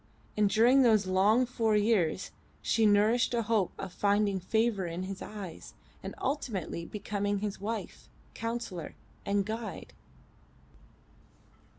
And during those long four years she nourished a hope of finding favour in his eyes and ultimately becoming his wife, counsellor, and guide.